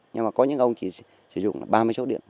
nhưng mà có những ông chỉ sử dụng ba mươi số điện